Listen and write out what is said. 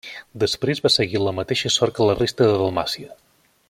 Després va seguir la mateixa sort que la resta de Dalmàcia.